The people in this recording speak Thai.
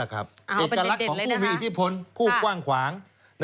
เอกลักษณ์ของผู้มีอิทธิพลผู้กว้างขวาง